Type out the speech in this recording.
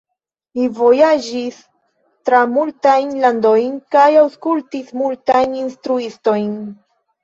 Li vojaĝis tra multajn landojn kaj aŭskultis multajn instruistojn.